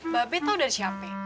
babe tau dari siapa